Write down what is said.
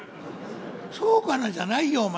「そうかなじゃないよお前。